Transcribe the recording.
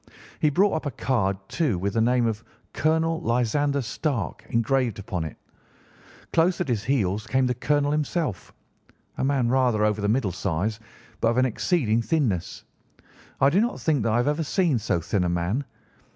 He brought up a card, too, with the name of 'Colonel Lysander Stark' engraved upon it. Close at his heels came the colonel himself, a man rather over the middle size, but of an exceeding thinness. I do not think that I have ever seen so thin a man.